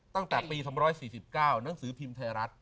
ตั้งแต่ปี๒๔๙หนังสือพิมพ์ไทยรัฐ